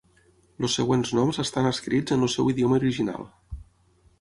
Els següents noms estan escrits en el seu idioma original.